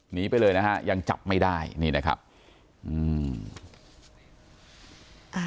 หนีไปเลยนะฮะยังจับไม่ได้นี่นะครับอืมอ่า